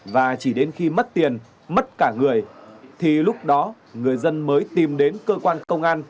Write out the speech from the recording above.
và chỉ đến khi mất tiền mất cả người thì lúc đó người dân mới tìm đến cơ quan công an